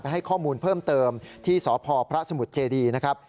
ให้ข้อมูลเพิ่มเติมที่สพพระสมุทรเจดีนะครับ